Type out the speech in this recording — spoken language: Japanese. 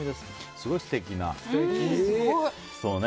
すごい素敵な。